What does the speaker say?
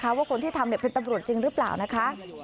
ว่าคนที่ทำเป็นตำรวจจริงหรือเปล่านะคะ